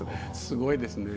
すごいですね。